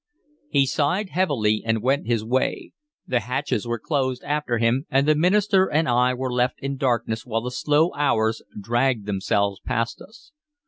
He sighed heavily and went his way. The hatches were closed after him, and the minister and I were left in darkness while the slow hours dragged themselves past us.